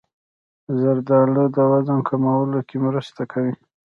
زردالو د وزن کمولو کې مرسته کوي.